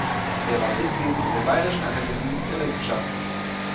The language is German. Er war Mitglied der Bayerischen Akademie der Wissenschaften.